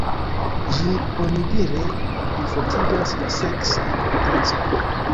Ĝi onidire plifortigas la seksan potencon.